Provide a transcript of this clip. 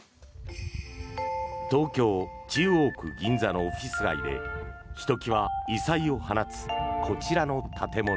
東京・中央区銀座のオフィス街でひときわ異彩を放つこちらの建物。